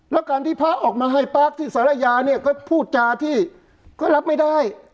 แล้วการที่พระออกมาให้ปากที่สารยาเนี่ยก็พูดจาที่ก็รับไม่ได้